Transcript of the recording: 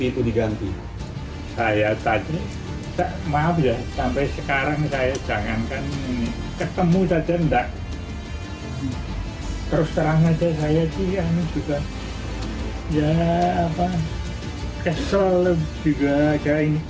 itu diganti saya tadi maaf ya sampai sekarang saya jangankan ini ketemu saja enggak terus